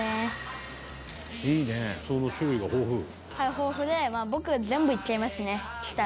豊富で僕は全部行っちゃいますね来たら」